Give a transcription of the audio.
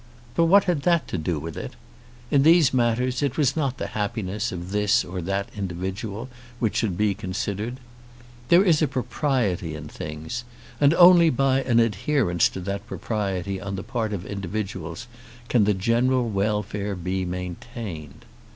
But what had that to do with it? In these matters it was not the happiness of this or that individual which should be considered. There is a propriety in things; and only by an adherence to that propriety on the part of individuals can the general welfare be maintained.